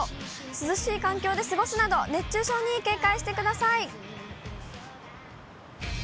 涼しい環境で過ごすなど、熱中症に警戒してください。